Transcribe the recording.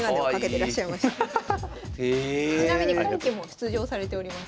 ちなみに今期も出場されております。